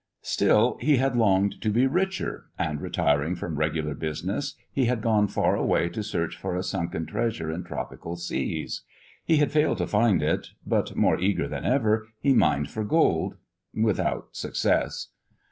Still he had longed to be richer, and, retiring from regular business, he had gone far away to search for a sunken treasure in tropical seas. He had failed to find it, but more eager than ever, he mined for gold, without success.